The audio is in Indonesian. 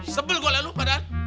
sebel gue lalu padahal